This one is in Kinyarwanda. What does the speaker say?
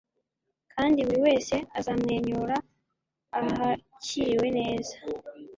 kandi buri wese azamwenyura ahakiriwe neza